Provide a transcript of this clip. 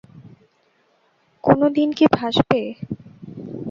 কোনো দিন কি ভাসবে?